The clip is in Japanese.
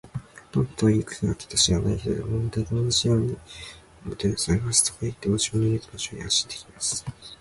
どんな遠い国から来た知らない人でも、まるで友達のようにもてなされます。どこへ行っても、自分の家と同じように安心できます。